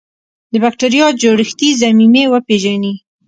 د بکټریا جوړښتي ضمیمې وپیژني.